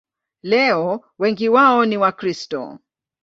Leo wengi wao ni Wakristo.